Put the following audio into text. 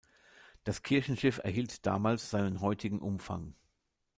Das Kirchenschiff erhielt damals seinen heutigen Umfang.